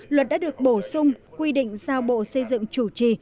luật đã được bổ sung quy định giao bộ xây dựng chủ trì